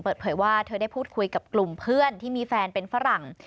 เปิดเผยว่าเธอได้พูดคุยกับกลุ่มเพื่อนที่มีแฟนเป็นฝรั่ง